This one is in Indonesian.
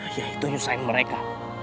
ya itu nyusahin mereka